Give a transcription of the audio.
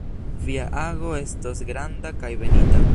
Via ago estos granda kaj benita.